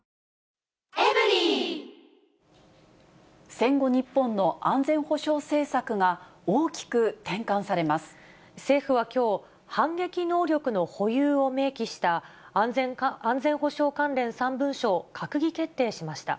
戦後日本の安全保障政策が、政府はきょう、反撃能力の保有を明記した、安全保障関連３文書を閣議決定しました。